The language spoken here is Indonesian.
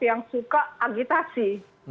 yang suka agitasi